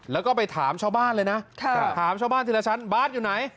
แล้วก็ไปถามชาวบ้านเลยนะถามชาวบ้านทีละชั้นบาร์ดอยู่ไหน